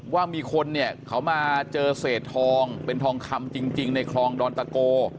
ว่ามีคนเนี่ยเขามาเจอเศษทองเป็นทองคำจริงในคลองดอนตะโก